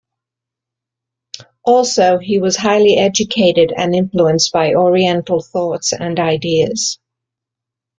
Also he was highly educated and influenced by Oriental thoughts and ideas.